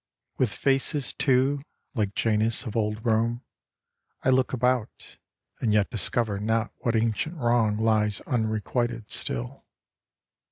With faces two, Like Janus of old Rome, I look about, And yet discover not what ancient wrong Lies unrequited still.